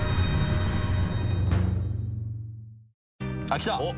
あっきた！